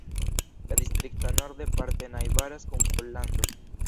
La distrikto norde parte najbaras kun Pollando.